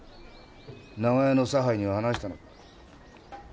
長屋の差配には話したのか？